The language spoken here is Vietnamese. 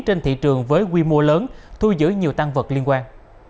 trên thị trường với quy mô lớn thu giữ nhiều tăng vật liên quan